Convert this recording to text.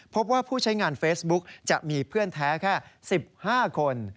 พบว่าผู้ใช้งานเฟซบุ๊กจะมีเพื่อนแท้แค่๑๕คน